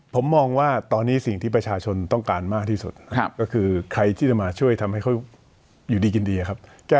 ผมมองว่าตอนนี้สิ่งที่ประชาชนต้องการมากที่สุดคือใครต้องมาช่วยทำให้สิ่งเยอะดีผลไม่โยบาย